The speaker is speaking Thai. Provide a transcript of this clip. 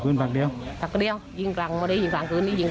เสพยาในบ้าน